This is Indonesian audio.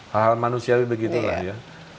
hal hal manusiawi begitulah ya